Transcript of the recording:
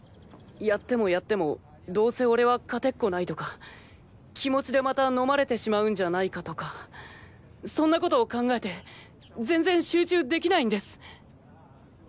やってもやってもどうせ俺は勝てっこないとか気持ちでまた飲まれてしまうんじゃないかとかそんなことを考えて全然集中できないんです。